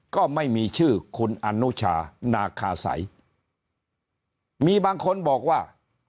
ก็ไม่มีชื่อคุณอนุชานาคาสัยมีบางคนบอกว่า